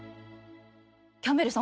キャンベルさん